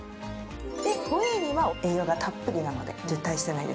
ホエイには栄養がたっぷりなので絶対に捨てないでください。